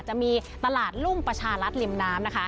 จะมีตลาดรุ่งประชารัฐริมน้ำนะคะ